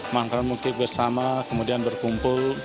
mengangkat mooncake bersama kemudian berkumpul